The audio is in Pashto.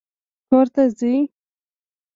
کور ته ځې!